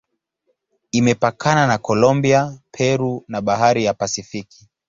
Imepakana na Kolombia, Peru na Bahari ya Pasifiki.